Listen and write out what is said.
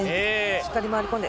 しっかり回り込んで。